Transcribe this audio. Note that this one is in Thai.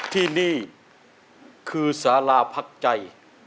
ที่นี่คือสาราพักใจ